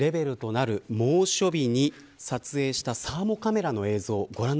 命の危機を感じるレベルとなる猛暑日に撮影したサーモカメラの映像。